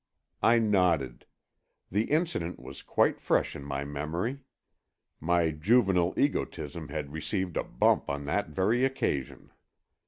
I nodded. The incident was quite fresh in my memory—my juvenile egotism had received a bump on that very occasion.